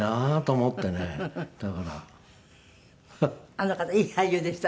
あの方いい俳優でしたね。